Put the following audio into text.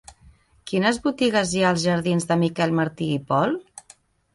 Quines botigues hi ha als jardins de Miquel Martí i Pol?